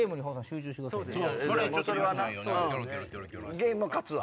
ゲーム勝つわ。